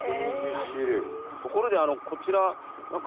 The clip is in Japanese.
ところでこちら。